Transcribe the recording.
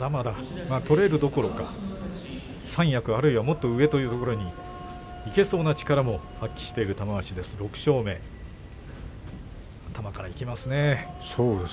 取れるどころか三役、あるいはもっと上というところにいけそうな力を発揮している玉鷲、６勝目です。